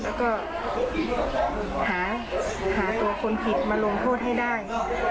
แล้วก็หาตัวคนผิดมาลงโทษให้ได้